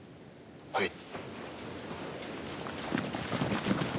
はい。